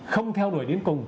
không theo đuổi đến cùng